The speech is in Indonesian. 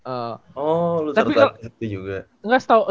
oh lu serta serta itu juga